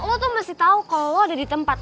lo tuh masih tau kok lo ada di tempat